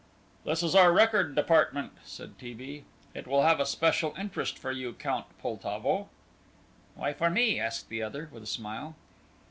"This is our record department," said T. B.; "it will have a special interest for you, Count Poltavo." "Why for me?" asked the other, with a smile.